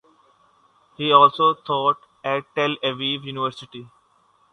He also taught at Tel Aviv University.